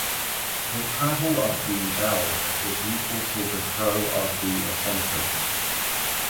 The travel of the valve is equal to the throw of the eccentric.